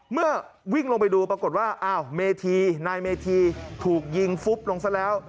เมื่อวิ่งลงไปดูปรากฏว่าอ้าวเมธีนายเมธีถูกยิงฟุบลงซะแล้ว